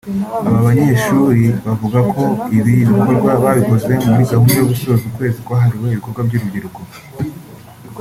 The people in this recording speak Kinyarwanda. Aba banyeshuri bavuga ko ibi bikorwa babikoze muri gahunda yo gusoza ukwezi kwahariwe ibikorwa by’urubyiruko